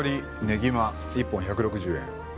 ねぎま１本１６０円。